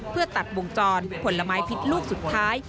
เพื่อตัดวงจรผลไม้พิษลูกสุดท้าย